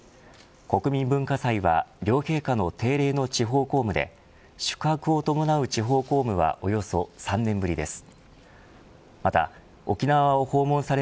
国民文化祭は両陛下の定例の地方公務で宿泊を伴う地方公務はおよそ３年ぶりです。